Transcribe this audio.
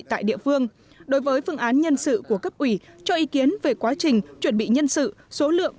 tại địa phương đối với phương án nhân sự của cấp ủy cho ý kiến về quá trình chuẩn bị nhân sự số lượng